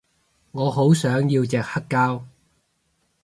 我好想要隻黑膠